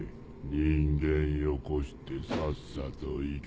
人間よこしてさっさと行け。